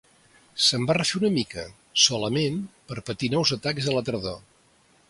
Se'n va refer una mica, solament per patir nous atacs a la tardor.